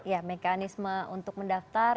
ya mekanisme untuk mendaftar